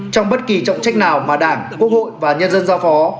trong bất kỳ trọng trách nào mà đảng quốc hội và nhân dân giao phó